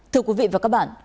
thưa quý vị và các bạn